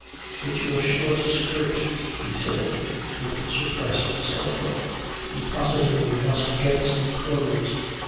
"It's your short skirt," he said, with suppressed sulphur. "You positively must get some clothes.